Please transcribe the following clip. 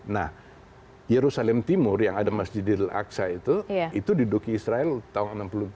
nah yerusalem timur yang ada masjid al aqsa itu itu diduduki israel tahun seribu sembilan ratus enam puluh tujuh